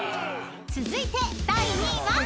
［続いて第２位は？］